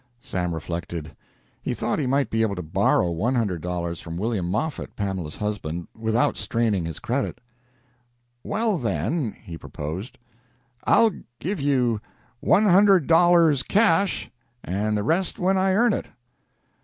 Sam reflected. He thought he might be able to borrow one hundred dollars from William Moffett, Pamela's husband, without straining his credit. "Well, then," he proposed, "I'll give you one hundred dollars cash, and the rest when I earn it."